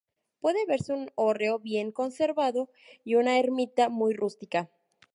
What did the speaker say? Puede verse un hórreo bien conservado y una ermita muy rústica.